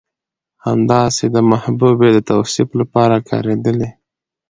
همداسې د محبوبې د توصيف لپاره کارېدلي